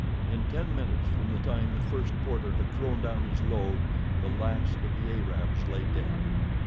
In ten minutes from the time the first porter had thrown down his load the last of the Arabs lay dead.